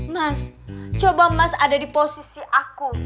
mas coba mas ada di posisi aku